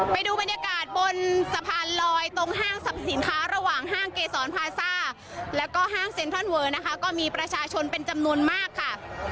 ไปดูบรรยากาศบนสะพานลอยตรงห้างสรรพสินค้าระหว่างห้างเกษรพาซ่าแล้วก็ห้างเซ็นทรัลเวอร์นะคะก็มีประชาชนเป็นจำนวนมากค่ะ